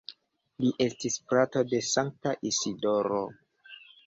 Li estis frato de Sankta Isidoro.